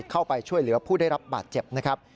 เข้าไปช่วยเหลือผู้ได้รับบาดเจ็บนะครับ